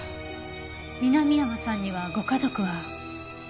南山さんにはご家族は？